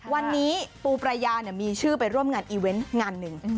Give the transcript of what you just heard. วันนี้ปูปรายามีชื่อไปร่วมงานอีเวนต์งานหนึ่ง